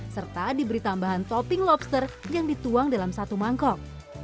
serta diberi tambahan topping lobster yang dituang dalam satu mangkok